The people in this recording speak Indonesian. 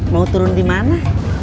mau turun di mana